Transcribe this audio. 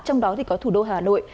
trong đó có thủ đô hà nội